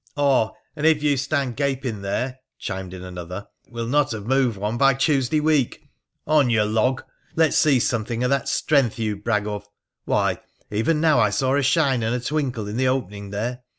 ' Ah ! and if you stand gaping there,' chimed in another, ' we'll not have moved one by Tuesday week. On, you log ! let's see something of that strength you brag of — why, even now I saw a shine and twinkle in the opening there.